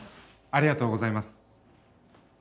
ありがとうございます。